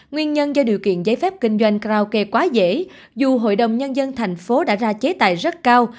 nguyên nhân do điều kiện giấy phép kinh doanh karaoke quá dễ dù hội đồng nhân dân thành phố đã ra chế tài rất cao